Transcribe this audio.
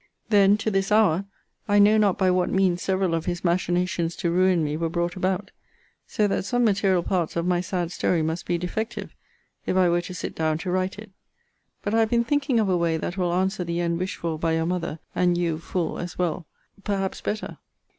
Then, to this hour, I know not by what means several of his machinations to ruin me were brought about; so that some material parts of my sad story must be defective, if I were to sit down to write it. But I have been thinking of a way that will answer the end wished for by your mother and you full as well, perhaps better.